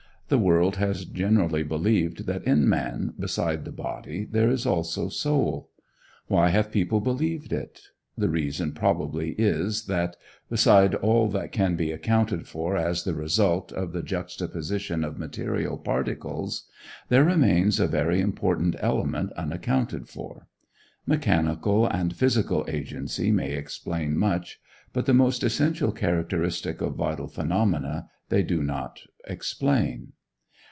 The world has generally believed that in man, beside the body, there is also soul. Why have people believed it? The reason probably is, that, beside all that can be accounted for as the result of the juxtaposition of material particles, there remains a very important element unaccounted for. Mechanical and physical agency may explain much, but the most essential characteristic of vital phenomena they do not explain.